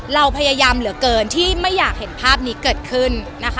เราพยายามเหลือเกินที่ไม่อยากเห็นภาพนี้เกิดขึ้นนะคะ